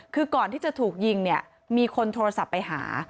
คือก่อนที่จะถูกยิงเนี่ยมีคนโทรศัพท์ไปหา